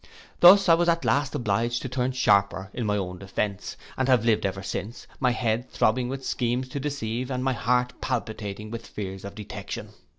Thus I was at last obliged to turn sharper in my own defence, and have lived ever since, my head throbbing with schemes to deceive, and my heart palpitating with fears of detection.